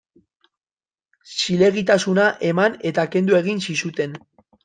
Zilegitasuna eman eta kendu egin zizuten.